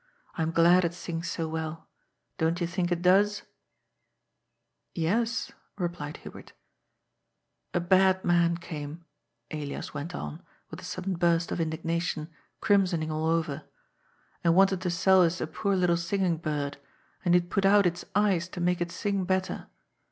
I am glad it sings so well. Don't yon think it does ?"" Yes," replied Hubert " A bad man came," Elias went on, with a sudden burst of indignation, crimsoning all over, ^' and wanted to sell us a poor little singing bird, and he had put out its eyes to make it sing better.